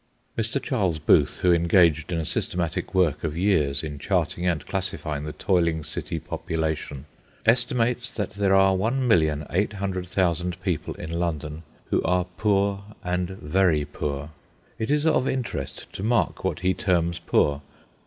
Mr. Charles Booth, who engaged in a systematic work of years in charting and classifying the toiling city population, estimates that there are 1,800,000 people in London who are poor and very poor. It is of interest to mark what he terms poor.